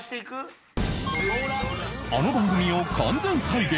あの番組を完全再現